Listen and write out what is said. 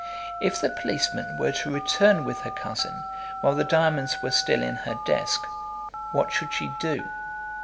If the policeman were to return with her cousin while the diamonds were still in her desk, what should she do?